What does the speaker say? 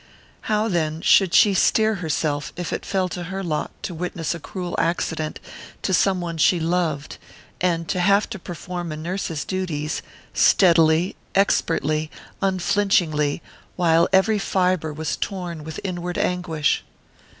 How, then, should she steel herself if it fell to her lot to witness a cruel accident to some one she loved, and to have to perform a nurse's duties, steadily, expertly, unflinchingly, while every fibre was torn with inward anguish?